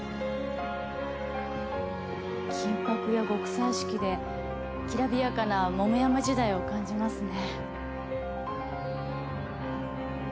金箔や極彩色できらびやかな桃山時代を感じますね。